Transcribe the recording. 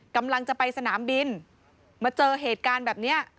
กำลังจะไปสนามบินมาเจอเหตุการณ์แบบนี้